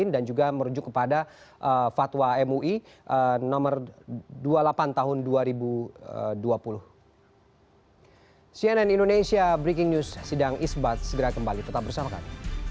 dan juga merujuk kepada fatwa mui nomor dua puluh delapan tahun dua ribu dua puluh